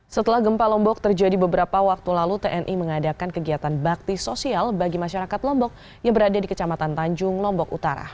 setelah gempa lombok terjadi beberapa waktu lalu tni mengadakan kegiatan bakti sosial bagi masyarakat lombok yang berada di kecamatan tanjung lombok utara